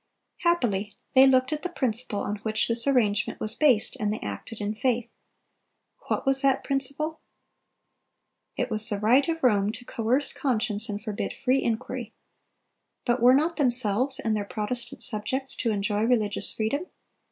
"Happily they looked at the principle on which this arrangement was based, and they acted in faith. What was that principle? It was the right of Rome to coerce conscience and forbid free inquiry. But were not themselves and their Protestant subjects to enjoy religious freedom?